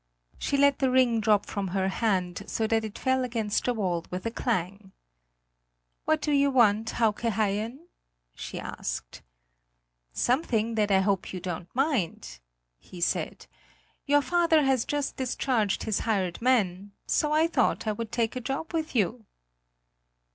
She let the ring drop from her hand, so that it fell against the wall with a clang. "What do you want, Hauke Haien?" she asked. "Something that I hope you don't mind," he said. "Your father has just discharged his hired man; so I thought I would take a job with you."